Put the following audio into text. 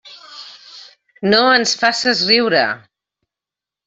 No ens faces riure!